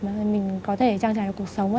thì mình có thể trang trải cuộc sống ấy